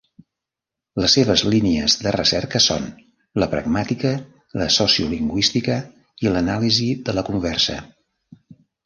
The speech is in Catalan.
Les seves línies de recerca són la pragmàtica, la sociolingüística i l'anàlisi de la conversa.